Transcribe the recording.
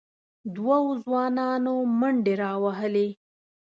دوو ځوانانو منډې راوهلې،